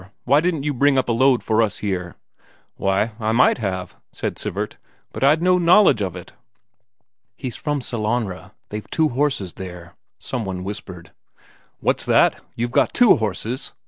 Why didn't you bring up a load for us here?" "Why, I might have," said Sivert. "But I'd no knowledge of it." "He's from Sellanraa; they've two horses there," some one whispered. "What's that? You've got two horses?"